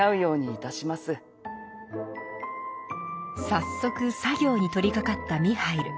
早速作業に取りかかったミハイル。